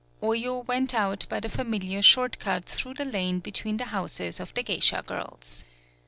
Oyo went out by the familiar short cut through the lane between the houses of the geisha girls.